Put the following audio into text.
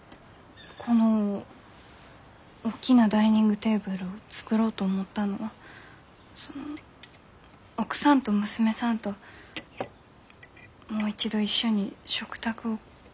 この大きなダイニングテーブルを作ろうと思ったのはその奥さんと娘さんともう一度一緒に食卓を囲ん。